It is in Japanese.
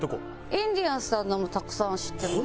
インディアンスさんのもたくさん知ってます。